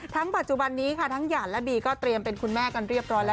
ปัจจุบันนี้ค่ะทั้งหยาดและบีก็เตรียมเป็นคุณแม่กันเรียบร้อยแล้ว